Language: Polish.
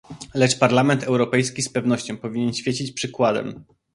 Lecz Parlament Europejski z pewnością powinien świecić przykładem